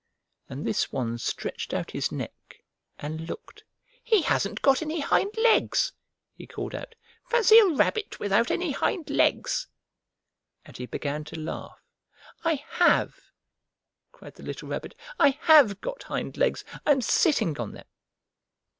And this one stretched out his neck and looked. "He hasn't got any hind legs!" he called out. "Fancy a rabbit without any hind legs!" And he began to laugh. "I have!" cried the little Rabbit. "I have got hind legs! I am sitting on them!"